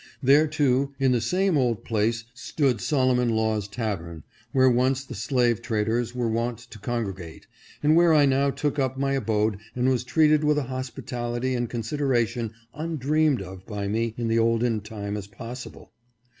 There too in the same old place stood Sol. Law's Tavern, where once the slave traders were wont to congregate, and where I now took up my abode and was treated with a hospitality and consideration undreamed of by me in the olden time as possible.